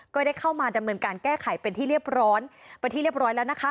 ก็ได้เข้ามาดำเนินการแก้ไขเป็นที่เรียบร้อยเป็นที่เรียบร้อยแล้วนะคะ